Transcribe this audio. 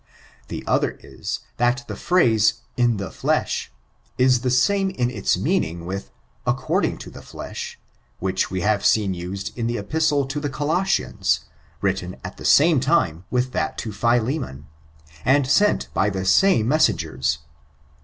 The other is, that the phrase, m the JUsh^ is the same in its meaning, virith according to the fleshy which wo have seen nsed in the epistle to the Colossians, written at die same time with tluit to Philemon, and sent by the same messengers.